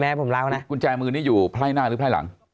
แม่ผมเล่านะกุญแจมือนี้อยู่ไฟล่ายหน้าหรือไฟล่ายหลัง